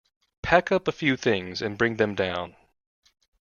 Pack up a few things and bring them down.